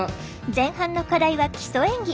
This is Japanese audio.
前半の課題は「基礎演技」。